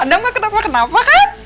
adam gak kenapa kenapa kan